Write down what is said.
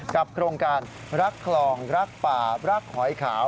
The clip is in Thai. โครงการรักคลองรักป่ารักหอยขาว